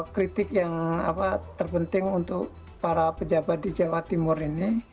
kritik yang terpenting untuk para pejabat di jawa timur ini